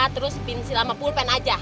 terus bensin sama pulpen aja